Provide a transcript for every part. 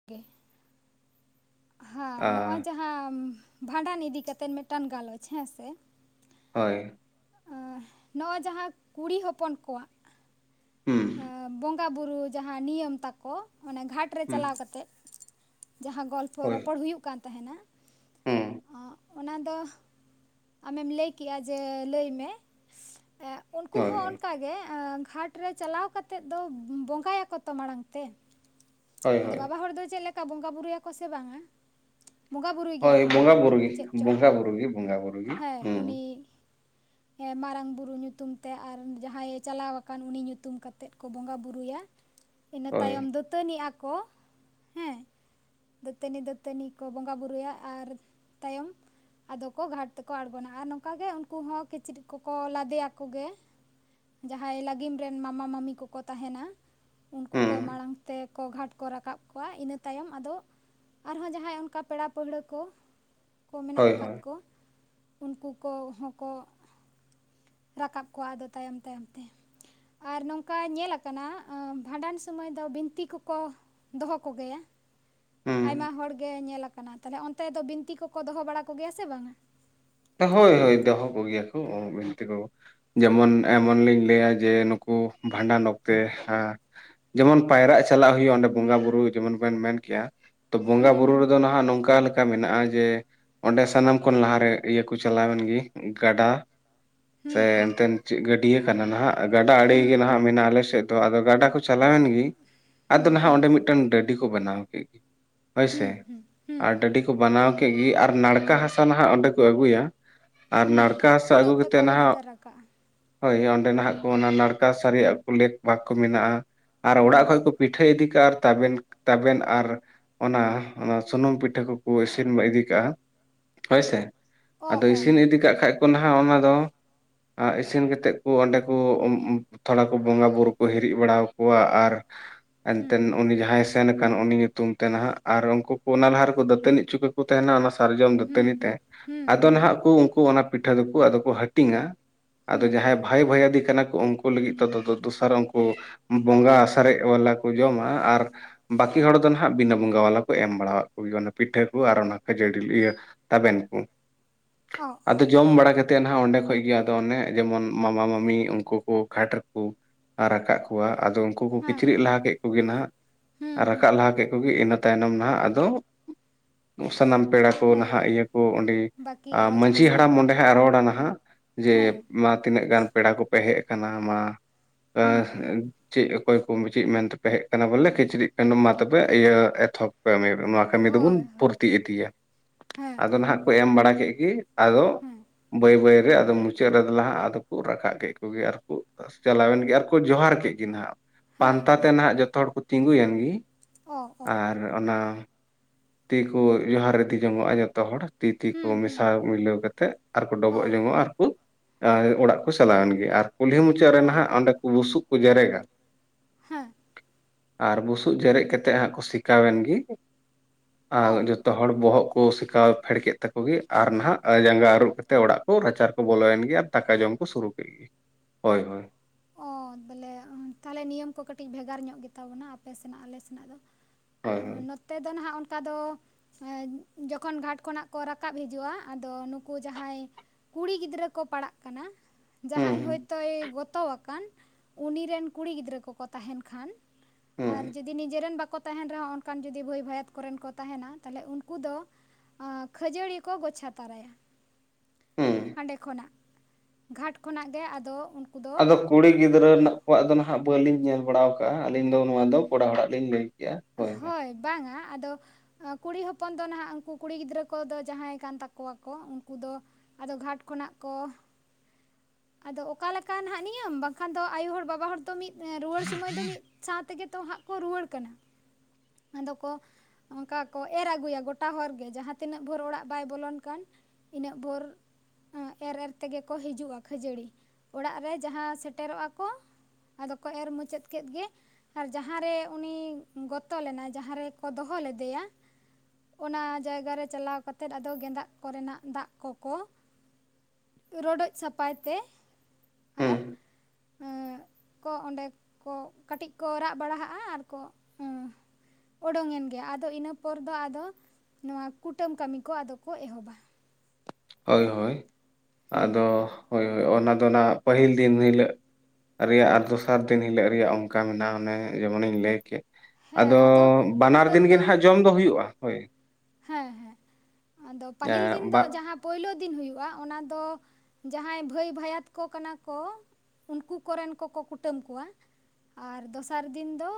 [unintelligible] ᱦᱮᱸ ᱱᱚᱜ ᱚᱭ ᱡᱟᱦᱟᱸ ᱵᱷᱟᱸᱰᱟᱱ ᱤᱫᱤ ᱠᱟᱛᱮᱫ ᱢᱤᱫᱴᱟᱝ ᱜᱟᱞᱚᱪ ᱦᱮᱸ ᱥᱮ ᱦᱳᱭ ᱱᱚᱜᱚᱭ ᱡᱟᱦᱟᱸ ᱠᱩᱲᱤ ᱦᱚᱯᱚᱱ ᱠᱚᱣᱟᱜ ᱦᱩᱸ ᱵᱚᱸᱜᱟ ᱵᱩᱨᱩ ᱡᱟᱦᱟᱸ ᱱᱤᱭᱚᱢ ᱛᱟᱠᱚ ᱚᱱᱟ ᱜᱷᱟᱴᱨᱮ ᱪᱟᱞᱟᱣ ᱠᱟᱛᱮ ᱡᱟᱦᱟᱸ ᱜᱚᱞᱯᱷᱚ ᱨᱚᱯᱚᱲ ᱦᱩᱭᱩᱜ ᱠᱟᱱ ᱛᱟᱦᱮᱱᱟ ᱦᱩᱸ ᱚᱱᱟ ᱫᱚ ᱟᱢᱮᱢ ᱞᱟᱹᱭ ᱠᱮᱜᱼᱟ ᱡᱮ ᱞᱟᱹᱭ ᱢᱮ ᱩᱱᱠᱩ ᱦᱚᱸ ᱚᱱᱠᱟᱜ ᱜᱮ ᱜᱷᱟᱴ ᱨᱮ ᱪᱟᱞᱟᱣ ᱠᱟᱛᱮᱫ ᱫᱚ ᱵᱚᱸᱜᱟᱭᱟᱠᱚ ᱛᱚ ᱢᱟᱲᱟᱝ ᱛᱮ᱾ ᱟᱫᱚ ᱵᱟᱵᱟ ᱦᱚᱲ ᱫᱚ ᱪᱮᱫ ᱞᱮᱠᱟ ᱵᱚᱸᱜᱟ ᱵᱩᱨᱩᱭᱟᱠᱚ ᱥᱮ ᱵᱟᱝ-ᱟ ᱵᱚᱸᱜᱟ ᱵᱩᱨᱩᱭ ᱜᱮᱭᱟ ᱠᱚ ᱵᱟᱵᱟ ᱦᱚᱲ ᱵᱚᱸᱜᱟᱼᱵᱩᱨᱩ ᱦᱚᱸ ᱜᱮ, ᱪᱮᱫ ᱪᱚᱝ, ᱵᱚᱸᱜᱟᱼᱵᱩᱨᱩ ᱜᱮ, ᱵᱚᱸᱜᱟᱼᱵᱩᱨᱩ ᱜᱮ, ᱦᱮᱸ ᱩᱱᱤ ᱦᱩᱸ, [inaudible] ᱮ ᱢᱟᱨᱟᱝ ᱵᱩᱨᱩ ᱧᱩᱛᱩᱢ ᱛᱮ ᱟᱨ ᱡᱟᱦᱟᱸᱭᱮ ᱪᱟᱞᱟᱣ ᱟᱠᱟᱱ ᱩᱱᱤ ᱧᱩᱛᱩᱢ ᱠᱟᱛᱮᱜ ᱠᱚ ᱵᱚᱸᱜᱟ ᱵᱩᱨᱩᱭᱟ᱾ [inaudible] ᱤᱱᱟᱹ ᱛᱟᱭᱚᱢ ᱫᱟᱹᱛᱟᱹᱱᱤ ᱟᱠᱚ ᱦᱮᱸ ᱫᱟᱹᱛᱟᱹᱱᱤ ᱫᱟᱹᱛᱟᱹᱱᱤ ᱠᱚ ᱵᱚᱸᱜᱟ ᱵᱩᱨᱩᱭᱟ ᱟᱨ ᱛᱟᱭᱚᱢ ᱟᱫᱚ ᱠᱚ ᱜᱷᱟᱴ ᱛᱮᱠᱚ ᱟᱬᱜᱚᱱᱟ ᱟᱨ ᱱᱚᱝᱠᱟ ᱜᱮ ᱩᱱᱠᱩ ᱦᱚᱸ ᱠᱤᱪᱨᱤᱡ ᱠᱚᱠᱚ ᱞᱟᱫᱮᱭᱟᱠᱚ ᱜᱮ ᱡᱟᱦᱟᱸᱭ ᱞᱟᱹᱜᱤᱢ ᱨᱮᱱ ᱢᱟᱢᱟ ᱢᱟᱢᱤ ᱠᱚᱠᱚ ᱛᱟᱦᱮᱱᱟ ᱩᱱᱠᱩ ᱠᱚ ᱦᱩᱸ, ᱢᱟᱲᱟᱝ ᱠᱚ ᱜᱷᱟᱴ ᱠᱚ ᱨᱟᱠᱟᱵ ᱠᱚᱣᱟ ᱤᱱᱟᱹ ᱛᱟᱭᱚᱢ ᱟᱫᱚ ᱟᱨᱦᱚᱸ ᱡᱟᱦᱟᱸᱭ ᱚᱱᱠᱟ ᱯᱮᱲᱟ ᱯᱟᱹᱲᱦᱟᱹ ᱠᱚ ᱠᱚ ᱢᱮᱱᱟᱜ ᱦᱳᱭ, ᱟᱠᱟᱫ ᱦᱳᱭ, ᱠᱚ ᱩᱱᱠᱩ ᱠᱚᱦᱚᱸ ᱠᱚ ᱨᱟᱠᱟᱵ ᱠᱚᱣᱟ ᱟᱫᱚ ᱛᱟᱭᱚᱢ ᱛᱟᱭᱚᱢ ᱛᱮ ᱟᱨ ᱱᱚᱝᱠᱟ ᱧᱮᱞ ᱟᱠᱟᱱᱟ ᱵᱷᱟᱸᱰᱟᱱ ᱥᱚᱢᱚᱭ ᱫᱚ ᱵᱤᱱᱛᱤ ᱠᱚᱠᱚ ᱫᱚᱦᱚ ᱠᱚᱜᱮᱭᱟ ᱟᱭᱢᱟ ᱦᱩᱸ, ᱦᱚᱲᱜᱮ ᱧᱮᱞ ᱟᱠᱟᱱ ᱚᱱᱛᱮ ᱫᱚ ᱵᱤᱱᱛᱤ ᱠᱚᱠᱚ ᱫᱚᱦᱚ ᱵᱟᱲᱟ ᱠᱚᱜᱮᱭᱟ ᱥᱮ ᱵᱟᱝᱟ? ᱦᱳᱭ ᱦᱳᱭ ᱫᱚᱦᱚ ᱠᱚ ᱜᱮᱭᱟ ᱠᱚ ᱵᱤᱱᱛᱤ ᱠᱚ᱾ ᱡᱮᱢᱚᱱ ᱮᱢᱚᱱ ᱞᱤᱧ ᱞᱟᱹᱭᱟ ᱡᱮ ᱱᱩᱠᱩ ᱵᱷᱟᱸᱰᱟᱱ ᱚᱠᱛᱮ ᱡᱮᱢᱚᱱ ᱯᱟᱭᱨᱟᱜ ᱪᱟᱞᱟᱜ ᱦᱩᱭᱩᱜᱼᱟ ᱚᱸᱰᱮ ᱵᱚᱸᱜᱟ ᱵᱩᱨᱩ ᱡᱮᱢᱚᱱ ᱵᱮᱱ ᱢᱮᱱ ᱠᱮᱜᱼᱟ ᱛᱚ ᱵᱚᱸᱜᱟ-ᱵᱩᱨᱩ ᱨᱮ ᱫᱚ ᱱᱟᱦᱟᱜ ᱱᱚᱝᱠᱟ ᱞᱮᱠᱟ ᱢᱮᱱᱟᱜ-ᱟ ᱡᱮ ᱚᱸᱰᱮ ᱥᱟᱱᱟᱢ ᱠᱷᱚᱱ ᱞᱟᱦᱟ ᱨᱮ ᱤᱭᱟᱹ ᱠᱩ ᱪᱟᱞᱟᱣᱮᱱ ᱜᱤ ᱜᱟᱰᱟ ᱥᱮ ᱮᱱᱛᱮᱱ ᱪᱤᱜ ᱜᱟᱹᱰᱭᱟᱹ ᱠᱟᱱᱟ ᱱᱟᱦᱟᱜ ᱜᱟᱰᱟ ᱟᱲᱮ ᱜᱮ ᱦᱩᱸ ᱱᱟᱦᱟᱜ ᱢᱮᱱᱟᱜᱼᱟ ᱟᱞᱮ ᱥᱮᱫ ᱫᱚ ᱟᱫᱚ ᱜᱟᱰᱟ ᱠᱚ ᱪᱟᱞᱟᱣᱮᱱ ᱜᱤ ᱟᱫᱚ ᱱᱟᱦᱟᱜ ᱚᱸᱰᱮ ᱢᱤᱫᱴᱟᱱ ᱰᱟᱹᱰᱤ ᱠᱚ ᱵᱮᱱᱟᱣ ᱠᱮᱜ ᱜᱮ᱾ ᱦᱳᱭ ᱥᱮ, ᱦᱩᱸ ᱟᱨ ᱰᱟᱹᱰᱤ ᱠᱚ ᱵᱟᱱᱟᱣ ᱠᱮᱜ ᱜᱤ ᱟᱨ ᱱᱟᱲᱠᱟ ᱦᱟᱥᱟ ᱱᱟᱦᱟᱜ ᱚᱸᱰᱮ ᱠᱚ ᱟᱹᱜᱩᱭᱟ ᱟᱨ ᱦᱩᱸ ᱱᱟᱲᱠᱟ ᱦᱟᱥᱟ ᱟᱹᱜᱩ ᱯᱷᱩᱲᱩᱜ ᱛᱮᱠᱚ ᱠᱟᱛᱮᱫ ᱤᱫᱤ ᱱᱟᱦᱟᱜ ᱛᱟᱨᱟ ᱠᱟᱜᱼᱟ ᱦᱳᱭ ᱚᱸᱰᱮ ᱱᱟᱦᱟᱜ ᱠᱚ ᱚᱱᱟ ᱱᱟᱲᱠᱟ ᱦᱟᱥᱟ ᱨᱮᱭᱟᱜ ᱞᱮᱠ ᱯᱟᱠ ᱠᱚ ᱢᱮᱱᱟᱜ-ᱟ ᱟᱨ ᱦᱩᱸ ᱚᱲᱟᱜ ᱠᱷᱚᱡ ᱠᱚ ᱯᱤᱴᱷᱟᱹᱭ ᱤᱫᱤ ᱠᱟᱜ-ᱟ ᱟᱨ ᱛᱟᱵᱮᱱ ᱛᱟᱵᱮᱱ ᱟᱨ ᱚᱱᱟ ᱚᱱᱟ ᱥᱩᱱᱩᱢ ᱯᱤᱴᱷᱟᱹ ᱠᱩᱠᱩ ᱤᱥᱤᱱ ᱤᱫᱤ ᱠᱟᱜ-ᱟ ᱦᱳᱭ ᱥᱮ ᱚ ᱟᱫᱚ ᱚ ᱤᱥᱤᱱ ᱚ ᱤᱫᱤ ᱠᱟᱜ ᱠᱷᱟᱡ ᱠᱚ ᱱᱟᱦᱟᱜ ᱚᱱᱟ ᱫᱚ ᱟᱸᱜ ᱤᱥᱤᱱ ᱠᱟᱛᱮᱫ ᱠᱩ ᱚᱸᱰᱮ ᱠᱩ ᱛᱷᱚᱲᱟ ᱠᱚ ᱵᱚᱸᱜᱟ ᱵᱩᱨᱩ ᱠᱚ ᱦᱤᱨᱤᱡ ᱵᱟᱲᱟ ᱣᱟᱠᱩᱣᱟ ᱟᱨ ᱦᱩᱸ ᱮᱱᱛᱮᱱ ᱩᱱᱤ ᱡᱟᱦᱟᱸᱭ ᱥᱮᱱ ᱠᱟᱱ ᱩᱱᱤ ᱛᱩᱢ ᱛᱮ ᱱᱟᱦᱟᱜ ᱟᱨ ᱩᱝᱠᱩ ᱠᱚ ᱚᱱᱟ ᱞᱟᱦᱟ ᱨᱮ ᱠᱚ ᱫᱟᱹᱛᱟᱹᱱᱤ ᱚᱪᱚ ᱠᱚ ᱛᱟᱦᱮᱱᱟ ᱚᱱᱟ ᱥᱟᱨᱡᱚᱢ ᱦᱩᱸ ᱫᱟᱹᱛᱟᱹᱱᱤ ᱛᱮ ᱦᱩᱸ ᱟᱫᱚ ᱦᱩᱸ ᱱᱟᱦᱟᱜ ᱠᱩ ᱩᱱᱠᱩ ᱚᱱᱟ ᱯᱤᱴᱷᱟᱹ ᱫᱩ ᱠᱩ ᱟᱫᱚ ᱠᱚ ᱦᱟᱹᱴᱤᱧᱟ ᱟᱫᱚ ᱦᱩᱸ ᱡᱟᱦᱟᱸᱭ ᱦᱩᱸ ᱵᱷᱟᱭ ᱵᱷᱚᱭᱦᱟᱫᱤ ᱠᱟᱱᱟ ᱠᱚ ᱩᱱᱠᱩ ᱩᱱ ᱞᱟᱹᱜᱤᱫ ᱛᱚ ᱛᱚ ᱛᱚ ᱫᱚᱥᱟᱨ ᱩᱱᱠᱩ ᱵᱚᱸᱜᱟ ᱥᱟᱨᱮᱡ ᱵᱟᱞᱟ ᱠᱚ ᱡᱚᱢᱟ ᱟᱨ ᱵᱟᱠᱤ ᱦᱚᱲ ᱫᱚ ᱱᱟᱟᱜ ᱵᱤᱱᱟᱹ ᱵᱚᱸᱜᱟ ᱵᱟᱞᱟ ᱠᱚ ᱮᱢ ᱵᱟᱲᱟᱣᱟᱜ ᱠᱚᱜᱮ ᱚᱱᱟ ᱯᱤᱴᱷᱟᱹ ᱠᱚ ᱟᱨ ᱚᱱᱟ ᱠᱷᱟᱹᱡᱟᱹᱲᱤ ᱤᱭᱟᱹ ᱛᱟᱵᱮᱱ ᱠᱚ ᱚ ᱚ ᱟᱫᱚ ᱚ ᱡᱚᱢ ᱵᱟᱲᱟ ᱠᱟ ᱛᱮᱱ ᱦᱟᱸᱜ ᱚᱸᱰᱮ ᱠᱷᱚᱡ ᱜᱮ ᱟᱫᱚ ᱚᱱᱮ ᱡᱮᱢᱚᱱ ᱢᱟᱢᱟ ᱢᱟᱢᱤ ᱩᱱᱠᱩ ᱠᱩ ᱠᱷᱟᱴ ᱨᱮ ᱠᱩ ᱟᱨᱠᱟᱫᱜ ᱠᱚᱣᱟ ᱟᱫᱚ ᱩᱝᱠᱩ ᱠᱩ ᱦᱮᱸ ᱠᱤᱪᱨᱤᱜ ᱞᱟᱦᱟ ᱦᱮᱸ ᱠᱮᱜ ᱠᱩᱜᱮᱱ ᱦᱟᱸᱜ ᱦᱩᱸ ᱦᱩᱸ ᱨᱟᱠᱟᱵ ᱞᱟᱦᱟ ᱦᱩᱸ ᱠᱮᱫ ᱠᱚᱜᱮ ᱤᱱᱟᱹ ᱛᱟᱭᱱᱚᱢ ᱱᱟᱦᱟᱜ ᱟᱫᱚ ᱥᱟᱱᱟᱢ ᱯᱮᱲᱟ ᱠᱚ ᱦᱮᱸ ᱱᱟᱦᱟᱜ ᱤᱭᱟᱹ ᱠᱚ ᱚᱸᱰᱮ ᱵᱟᱹᱠᱤ ᱟᱨᱚ ᱡᱟᱦᱟᱸ ᱢᱟᱺᱡᱷᱤ ᱥᱟᱨᱮᱡ ᱦᱟᱲᱟᱢ ᱚᱸᱰᱮ ᱯᱮᱲᱟ ᱦᱟᱸᱜ ᱨᱚᱲᱟ ᱱᱟᱦᱟᱜ ᱡᱮ ᱦᱮᱸ ᱢᱟ ᱛᱤᱱᱟᱹᱜ ᱜᱟᱱ ᱯᱮᱲᱟ ᱠᱚ ᱯᱮ ᱦᱮᱡ ᱟᱠᱟᱱᱟ ᱢᱟ ᱦᱩᱸ ᱦᱩᱸ [inaudible] ᱪᱮᱜ ᱚᱠᱚᱭ ᱠᱚ ᱪᱮᱫ ᱢᱮᱱ ᱛᱮᱯᱮ ᱦᱮᱡ ᱟᱠᱟᱱᱟ ᱵᱚᱞᱮ ᱠᱤᱪᱨᱤᱜ ᱠᱷᱟᱰᱩᱢ ᱢᱟ ᱛᱚᱵᱮ ᱤᱭᱟᱹ ᱮᱛᱚᱦᱚᱵ ᱯᱮ [inaudible] ᱢᱟ ᱠᱟᱹᱢᱤ ᱫᱚ ᱵᱩᱱ ᱦᱳᱭ ᱦᱳᱭ ᱵᱷᱩᱨᱛᱤ ᱤᱫᱤᱭᱟ ᱦᱮᱸ ᱟᱫᱚ ᱦᱮᱸ ᱱᱟᱦᱟᱜ ᱠᱚ ᱮᱢ ᱵᱟᱲᱟ ᱠᱮᱜ ᱜᱮ ᱟᱫᱚ ᱦᱮᱸ ᱵᱟᱹᱭ ᱵᱟᱹᱭ ᱨᱮ ᱟᱫᱚ ᱢᱩᱪᱟᱹᱫ ᱨᱮ ᱫᱚ ᱞᱟᱦᱟ ᱟᱫᱚ ᱠᱚ ᱨᱟᱠᱟᱵ ᱠᱮᱫ ᱠᱚᱜᱮ ᱟᱨ ᱠᱩ ᱪᱟᱞᱟᱣᱮᱱ ᱜᱮ ᱟᱨ ᱠᱚ ᱡᱚᱦᱟᱨ ᱠᱮᱜ ᱜᱮ ᱱᱟᱦᱟᱜ ᱦᱮᱸ ᱯᱟᱱᱛᱟ ᱛᱮ ᱱᱟᱦᱟᱜ ᱡᱚᱛᱚ ᱦᱚᱲ ᱠᱚ ᱛᱤᱸᱜᱩᱭᱮᱱ ᱜᱮ ᱚᱸ ᱚᱸ ᱦᱮᱸ ᱚᱱᱟ ᱛᱤ ᱠᱚ ᱡᱚᱦᱟᱨ ᱨᱤᱛᱤ ᱡᱚᱝᱚᱜ-ᱟ ᱡᱚᱛᱚ ᱦᱚᱲ ᱛᱤ ᱛᱤ ᱠᱚ ᱦᱩᱸ ᱦᱩᱸ ᱢᱮᱥᱟ ᱦᱩᱸ ᱢᱤᱞᱟᱹᱣ ᱠᱟᱛᱮᱜ ᱟᱨ ᱠᱚ ᱚ ᱰᱚᱵᱚᱜ ᱡᱚᱝᱚᱜ-ᱟ ᱟᱨ ᱠᱚ ᱚᱲᱟᱜ ᱠᱚ ᱪᱟᱞᱟᱣᱮᱱ ᱜᱮ ᱟᱨ ᱠᱩᱞᱦᱤ ᱢᱩᱪᱟᱹᱜ ᱨᱮ ᱚ ᱱᱟᱦᱟᱜ ᱚᱸᱰᱮ ᱵᱩᱥᱩᱵ ᱠᱚ ᱡᱨᱮᱜᱟ ᱦᱮᱸ ᱟᱨ ᱵᱩᱥᱩᱵ ᱡᱮᱨᱮᱜ ᱠᱟᱛᱮᱜ ᱦᱟᱸᱜ ᱠᱚ ᱥᱮᱠᱟᱣᱮᱱ ᱜᱮ ᱚ ᱟᱨ ᱡᱚᱛᱚ ᱦᱚᱲ ᱵᱚᱦᱚᱜ ᱠᱚ ᱥᱮᱠᱟᱣ ᱯᱷᱮᱰ ᱠᱮᱜ ᱛᱟᱠᱚ ᱜᱮ ᱟᱨ ᱱᱟᱦᱟᱜ ᱡᱟᱸᱜᱟ ᱟᱹᱨᱩᱵ ᱠᱟᱛᱮᱜ ᱚᱲᱟᱜ ᱠᱚ ᱨᱟᱪᱟ ᱨᱮ ᱠᱚ ᱵᱚᱞᱚᱭᱮᱱ ᱜᱮ ᱟᱨ ᱫᱟᱠᱟ ᱡᱚᱢ ᱠᱚ ᱥᱩᱨᱩ ᱠᱮᱜ ᱜᱮ ᱦᱳᱭ ᱦᱳᱭ ᱚᱸ ᱵᱚᱞᱮ ᱛᱟᱦᱞᱮ ᱱᱤᱭᱟᱹᱢ ᱠᱚ ᱠᱟᱹᱴᱤᱡ ᱵᱷᱮᱜᱟᱨ ᱧᱚᱸᱜ ᱜᱮᱛᱟ ᱵᱚᱱᱟ ᱟᱯᱮ ᱥᱮᱱᱟᱜ ᱟᱞᱮ ᱥᱮᱱᱟᱜ ᱫᱚ ᱦᱚᱭ ᱦᱚᱭ ᱛᱮ ᱫᱚ ᱱᱟᱦᱟᱜ ᱚᱱᱠᱟ ᱫᱚ [inaudible] ᱡᱚᱠᱷᱚᱱ ᱜᱷᱟᱴ ᱠᱷᱚᱱᱟᱜ ᱠᱚ ᱨᱟᱠᱟᱵ ᱦᱤᱡᱩᱜ-ᱟ ᱟᱫᱚ ᱱᱩᱠᱩ ᱡᱟᱦᱟᱸᱭ ᱠᱩᱲᱤ ᱜᱤᱫᱽᱨᱟᱹ ᱠᱚ ᱯᱟᱲᱟᱜ ᱠᱟᱱᱟ ᱡᱟᱦᱟᱸᱭ ᱦᱩᱸ ᱦᱳᱭᱛᱚᱭ ᱜᱚᱛᱚ ᱣᱟᱠᱟᱱ ᱩᱱᱤ ᱨᱮᱱ ᱠᱩᱲᱤ ᱜᱤᱫᱽᱨᱟᱹ ᱠᱚ ᱠᱚ ᱛᱟᱦᱮᱱ ᱠᱷᱟᱱ ᱦᱩᱸ ᱦᱩᱸ ᱟᱨ ᱡᱩᱫᱤ ᱱᱤᱡᱮ ᱨᱮᱱ ᱵᱟᱠᱚ ᱛᱟᱦᱮᱱ ᱨᱮ ᱦᱚᱸ ᱚᱱᱠᱟᱱ ᱡᱩᱫᱤ ᱵᱟᱹᱭ ᱵᱷᱟᱭᱟᱛ ᱠᱚᱨᱮᱱ ᱠᱚ ᱛᱟᱦᱮᱱᱟ ᱛᱟᱞᱦᱮ ᱩᱱᱠᱩ ᱫᱚ [inaudible] ᱠᱷᱟᱹᱡᱟᱹᱲᱤ ᱠᱚ ᱜᱚᱪᱷᱟ ᱛᱟᱨᱟᱭᱟ ᱦᱩᱸ ᱦᱟᱸᱰᱮ ᱠᱷᱚᱱᱟᱜ ᱜᱷᱟᱴ ᱠᱷᱚᱱᱟᱜ ᱜᱮ ᱟᱫᱚ ᱫᱚ ᱟᱫᱚ ᱠᱩᱲᱤ ᱜᱤᱫᱽᱨᱟᱹ ᱱᱟᱜ ᱠᱚᱣᱟᱜ ᱫᱚ ᱱᱟᱦᱟᱜ ᱵᱟᱹᱞᱤᱧ ᱧᱮᱞ ᱵᱟᱲᱟᱣ ᱠᱟᱜ-ᱟ ᱟᱹᱞᱤᱧ ᱫᱚ ᱱᱚᱣᱟ ᱫᱚ ᱠᱚᱲᱟ ᱦᱚᱲᱟᱜ ᱞᱤᱧ ᱞᱟᱹᱭ ᱠᱮᱜ-ᱟ ᱦᱳᱭ ᱦᱳᱭ ᱵᱟᱝᱟ ᱟᱫᱚ ᱠᱩᱲᱤ ᱦᱚᱯᱚᱱ ᱫᱚ ᱱᱟᱦᱟᱜ ᱩᱱᱠᱩ ᱠᱩᱲᱤ ᱜᱤᱫᱽᱨᱟᱹ ᱠᱚᱫᱚ ᱡᱟᱦᱟᱸᱭ ᱠᱟᱱ ᱛᱟᱠᱚᱣᱟ ᱠᱚ ᱩᱱᱠᱩ ᱫᱚ ᱟᱫᱚ ᱜᱷᱟᱴ ᱠᱷᱚᱱᱟᱜ ᱠᱚ ᱟᱫᱚ ᱚᱠᱟᱞᱮᱠᱟ ᱦᱟᱸᱜ ᱱᱤᱭᱟᱹᱢ ᱵᱟᱝᱠᱷᱟᱱ ᱫᱚ ᱟᱭᱳ ᱦᱚᱲ ᱵᱟᱵᱟ ᱦᱚᱲ ᱫᱚ ᱢᱤᱫ ᱨᱩᱣᱟᱹᱲ ᱥᱳᱢᱟᱹᱭ ᱫᱚ ᱢᱤᱫ ᱥᱟᱶ ᱛᱮᱜᱮ ᱛᱚ ᱦᱟᱸᱜ ᱠᱚ ᱨᱩᱣᱟᱹᱲ ᱠᱟᱱᱟ [inaudible] ᱟᱫᱚ ᱠᱚ ᱚᱝᱠᱟ ᱠᱚ ᱮᱨ ᱟᱹᱜᱩᱭᱟ ᱜᱚᱴᱟ ᱦᱚᱲᱜᱮ ᱡᱟᱦᱟᱸ ᱛᱤᱱᱟᱹᱜ ᱵᱷᱳᱨ ᱚᱲᱟᱜ ᱵᱟᱭ ᱵᱚᱞᱚᱱ ᱠᱟᱱ ᱤᱱᱟᱹᱜ ᱵᱷᱳᱨ ᱮᱨ ᱮᱨ ᱛᱮᱜᱮᱠᱚ ᱦᱤᱡᱩᱜ-ᱟ ᱠᱷᱟᱹᱡᱟᱹᱲᱤ ᱚᱲᱟᱜ ᱨᱮ ᱡᱟᱦᱟᱸ ᱥᱮᱴᱮᱨᱚᱜᱼᱟ ᱠᱚ ᱟᱫᱚ ᱠᱚ ᱮᱨ ᱢᱩᱪᱟᱹᱫ ᱠᱮᱫ ᱜᱮ ᱟᱨ ᱡᱟᱦᱟᱸ ᱨᱮ ᱩᱱᱤ ᱜᱚᱛᱚ ᱞᱮᱱᱟᱭ ᱡᱟᱦᱟᱸ ᱨᱮᱠᱚ ᱫᱚᱦᱚ ᱞᱮᱫᱮᱭᱟ ᱚᱱᱟ ᱡᱟᱭᱜᱟ ᱨᱮ ᱪᱟᱞᱟᱣ ᱠᱟᱛᱮᱫ ᱟᱫᱚ ᱜᱮᱸᱫᱟᱜ ᱠᱚᱨᱮᱱᱟᱜ ᱫᱟᱜ ᱠᱚᱠᱚ ᱨᱚᱰᱚᱡ ᱥᱟᱯᱷᱟᱭ ᱛᱮ ᱦᱩᱸ ᱟᱨ ᱠᱚ ᱚᱸᱰᱮ ᱠᱚ ᱠᱟᱹᱴᱤᱡ ᱠᱚ ᱨᱟᱜ ᱵᱟᱲᱟᱦᱟᱜᱼᱟ ᱟᱨ ᱠᱚ ᱚᱰᱚᱝᱮᱱ ᱜᱮᱭᱟ ᱟᱫᱚ ᱤᱱᱟᱹ ᱯᱚᱨ ᱫᱚ ᱟᱫᱚ ᱱᱚᱣᱟ ᱠᱩᱴᱟᱹᱢ ᱠᱟᱹᱢᱤ ᱠᱚ ᱟᱫᱚ ᱠᱚ ᱮᱦᱚᱵᱟ ᱦᱳᱭ ᱦᱳᱭ ᱦᱮᱸ ᱟᱫᱚ ᱦᱳᱭ ᱚᱱᱟ ᱫᱚ ᱱᱟᱜ ᱯᱟᱹᱦᱤᱞ ᱫᱤᱱ ᱦᱤᱞᱳᱜ ᱨᱮᱭᱟᱜ ᱟᱨ ᱫᱚᱥᱟᱨ ᱫᱤᱱ ᱦᱤᱞᱳᱜ ᱨᱮᱭᱟᱜ ᱚᱝᱠᱟ ᱢᱮᱱᱟᱜᱼᱟ ᱚᱱᱮ ᱡᱮᱢᱚᱱᱤᱧ ᱞᱟᱹᱭ ᱠᱮᱜ ᱦᱮᱸ ᱟᱫᱚ ᱵᱟᱱᱟᱨ ᱠᱩᱴᱟᱹᱢ ᱫᱤᱱ ᱜᱮ ᱫᱚ ᱦᱟᱸᱜ ᱡᱚᱢ ᱫᱚ ᱦᱩᱭᱩᱜᱼᱟ ᱦᱳᱭ ᱦᱮᱸ ᱦᱮᱸ ᱟᱫᱚ ᱯᱟᱹᱦᱤᱞ ᱫᱤᱱ ᱮᱸ ᱵᱟ ᱫᱚ ᱡᱟᱦᱟᱸ ᱯᱳᱭᱞᱳ ᱫᱤᱱ ᱦᱩᱭᱩᱜᱼᱟ ᱚᱱᱟ ᱫᱚ ᱡᱟᱦᱟᱸᱭ ᱵᱷᱟᱹᱭ ᱵᱷᱟᱭᱟᱛ ᱠᱚ ᱠᱟᱱᱟ ᱠᱚ ᱩᱱᱠᱩ ᱠᱚᱨᱮᱱ ᱠᱚᱠᱚ ᱠᱩᱴᱟᱹᱢ ᱠᱚᱣᱟ ᱟᱨ ᱫᱚᱥᱟᱨ ᱫᱤᱱ ᱫᱚ